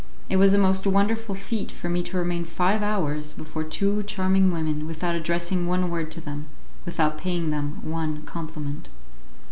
It was a most wonderful feat for me to remain five hours before two charming women without addressing one word to them, without paying them one compliment.